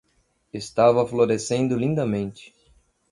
Estava florescendo lindamente.